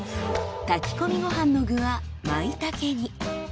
炊き込みご飯の具はマイタケに。